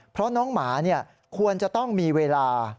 เพราะน้องหมาควรจะต้องมีเวลา